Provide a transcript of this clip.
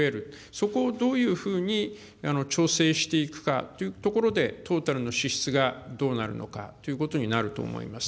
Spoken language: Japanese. そこをどういうふうに調整していくかというところで、トータルの支出がどうなるのかということになると思います。